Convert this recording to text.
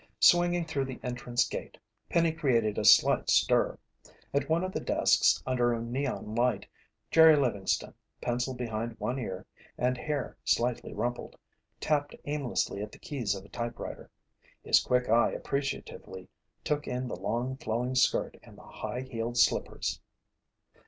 Swinging through the entrance gate, Penny created a slight stir. At one of the desks under a neon light, Jerry Livingston, pencil behind one ear and hair slightly rumpled, tapped aimlessly at the keys of a typewriter. His quick eye appreciatively took in the long flowing skirt and the high heeled slippers.